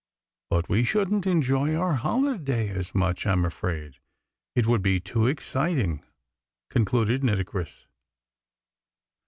"But we shouldn't enjoy our holiday as much, I'm afraid, it would be too exciting," concluded Nitocris.